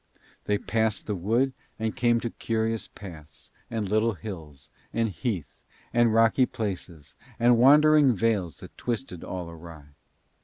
They passed the wood and came to curious paths, and little hills, and heath, and rocky places, and wandering vales that twisted all awry.